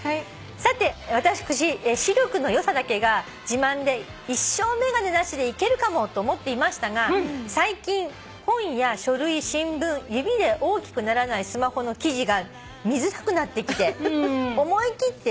「さて私視力の良さだけが自慢で一生眼鏡なしでいけるかもと思っていましたが最近本や書類新聞指で大きくならないスマホの記事が見づらくなってきて思い切って老眼鏡を購入しました」